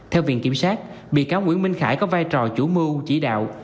theo viện kiểm sát bị cáo nguyễn minh khải có vai trò chủ mưu chỉ đạo